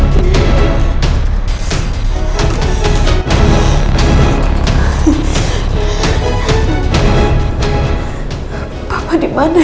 dya pun lupa ini